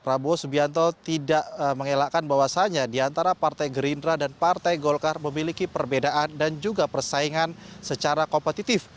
prabowo subianto tidak mengelakkan bahwasannya diantara partai gerindra dan partai golkar memiliki perbedaan dan juga persaingan secara kompetitif